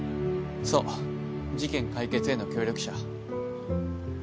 そう事件解決への協力者。